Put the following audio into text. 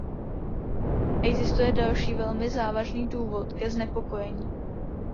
Existuje další velmi závažný důvod ke znepokojení.